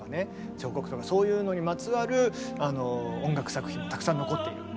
彫刻とかそういうのにまつわる音楽作品もたくさん残っている。